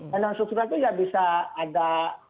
dan non struktural itu ya bisa ada